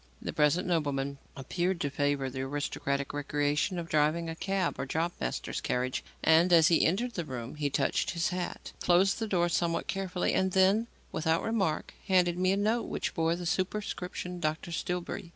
The present nobleman appeared to favour the aristocratic recreation of driving a cab or job master's carriage, and, as he entered the room, he touched his hat, closed the door somewhat carefully, and then, without remark, handed me a note which bore the superscription "Dr. Stillbury."